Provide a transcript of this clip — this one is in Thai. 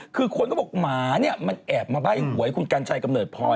คือคนก็บอกหมาเนี่ยมันแอบมาใบ้หวยคุณกัญชัยกำเนิดพลอย